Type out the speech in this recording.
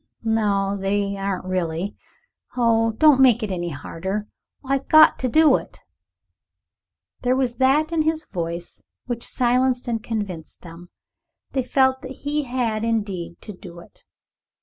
No, they aren't really! Oh, don't make it any harder. I've got to do it." There was that in his voice which silenced and convinced them. They felt that he had, indeed, to do it.